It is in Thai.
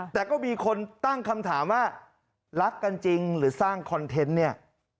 แต่ก็มีคนตั้งคำถามว่ารักกันจริงหรือสร้างคอนเทนต์เนี่ย